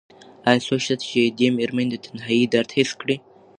ایا څوک شته چې د دې مېرمنې د تنهایۍ درد حس کړي؟